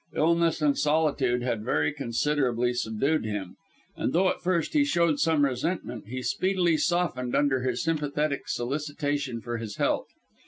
Illness and solitude had very considerably subdued him, and though at first he showed some resentment, he speedily softened under her sympathetic solicitation for his health.